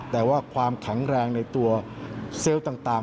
แต่ว่าความแข็งแรงในตัวเซลล์ต่าง